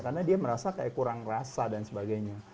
karena dia merasa kayak kurang rasa dan sebagainya